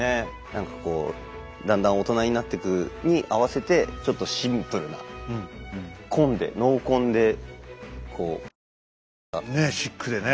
何かこうだんだん大人になっていくに合わせてちょっとシンプルな紺でねえシックでね。